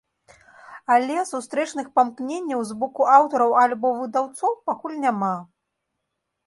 Але сустрэчных памкненняў з боку аўтараў альбо выдаўцоў пакуль няма.